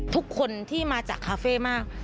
ทุกคนที่มาจากคาเฟ่มาก